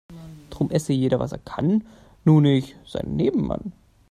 Drum esse jeder was er kann, nur nicht seinen Nebenmann.